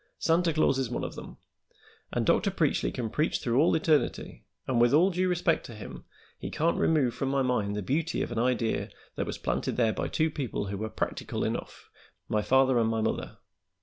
"Santa Claus is one of them, and Dr. Preachly can preach through all eternity, and, with all due respect to him, he can't remove from my mind the beauty of an idea that was planted there by two people who were practical enough, my father and my mother.